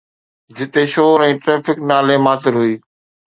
جتي شور ۽ ٽريفڪ نالي ماتر هئي.